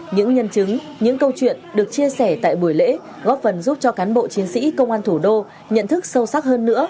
những nhân chứng những câu chuyện được chia sẻ tại buổi lễ góp phần giúp cho cán bộ chiến sĩ công an thủ đô nhận thức sâu sắc hơn nữa